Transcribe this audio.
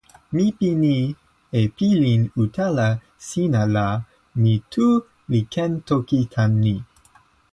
mi pini e pilin utala sina la mi tu li ken toki tan ni.